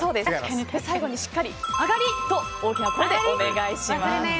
最後にしっかり、あがり！と大きな声でお願いします。